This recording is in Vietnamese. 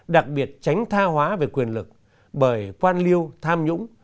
đặc biệt tránh tha hóa về quyền lực bởi quan liêu tham nhũng